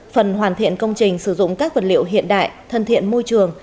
phần hoàn thiện công trình sử dụng các vật liệu hiện đại thân thiện môi trường